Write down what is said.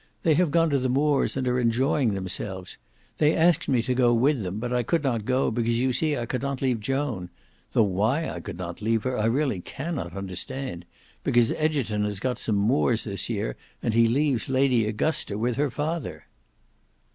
They have gone to the Moors and are enjoying themselves. They asked me to go with them, but I could not go, because you see I could not leave Joan; though why I could not leave her, I really cannot understand, because Egerton has got some moors this year, and he leaves Lady Augusta with her father."